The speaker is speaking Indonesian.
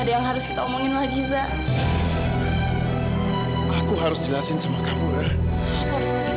dan ini kan mau dibawa ke toko roti sebelah